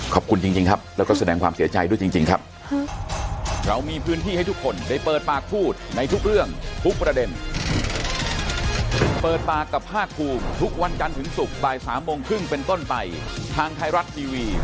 ขอบคุณจริงครับแล้วก็แสดงความเสียใจด้วยจริงครับ